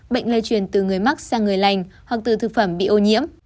bệnh lây truyền từ người mắc sang người lành hoặc từ thực phẩm bị ô nhiễm